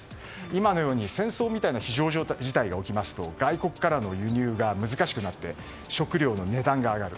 今のような戦争みたいな非常事態が起きますと外国からの輸入が難しくなって食料の値段が上がる。